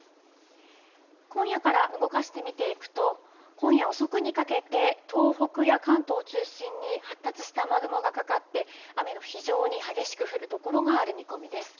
今夜から動かして見ていくと、今夜遅くにかけて東北や関東を中心に発達した雨雲がかかって、雨が非常に激しく降る所がある見込みです。